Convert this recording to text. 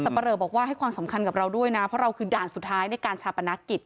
ปะเลอบอกว่าให้ความสำคัญกับเราด้วยนะเพราะเราคือด่านสุดท้ายในการชาปนกิจ